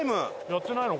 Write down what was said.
やってないの？